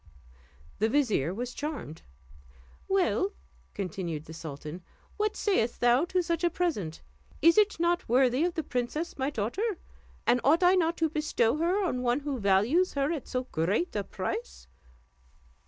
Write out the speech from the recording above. The vizier was charmed. "Well," continued the sultan, "what sayest thou to such a present? Is it not worthy of the princess my daughter? And ought I not to bestow her on one who values her at so great a price?"